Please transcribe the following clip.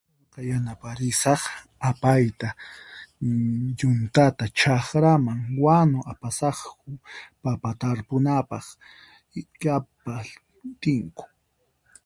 Yanaparisaq apayta, yuntata chakraman wanu apasaqku papa tarpunapaq llapaqtinku.